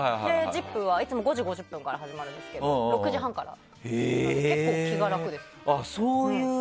「ＺＩＰ！」はいつも５時５０分から始まりますけど６時半からでちょっと気軽です。